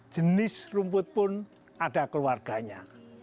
jenis rumput pun ada keluarganya